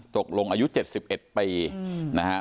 ตกลงอายุ๗๑ปีนะครับ